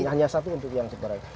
hanya satu untuk yang super red